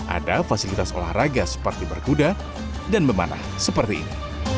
ada fasilitas olahraga seperti berkuda dan memanah seperti ini